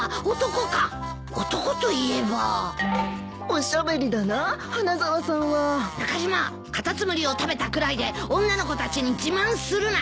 おしゃべりだなあ花沢さんは。中島カタツムリを食べたくらいで女の子たちに自慢するな。